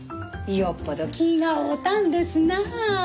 よっぽど気が合うたんですなあ。